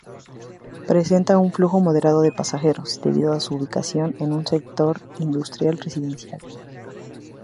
Presenta un flujo moderado de pasajeros, debido a su ubicación en un sector industrial-residencial.